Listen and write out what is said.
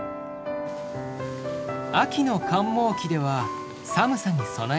秋の換毛期では寒さに備えます。